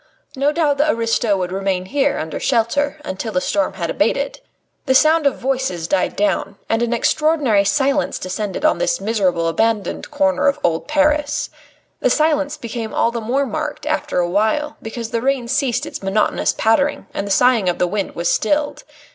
No doubt the aristo would remain here under shelter until the storm had abated. Soon the sound of voices died down, and an extraordinary silence descended on this miserable, abandoned corner of old Paris. The silence became all the more marked after a while, because the rain ceased its monotonous pattering and the soughing of the wind was stilled.